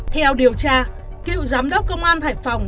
theo điều tra cựu giám đốc công an hải phòng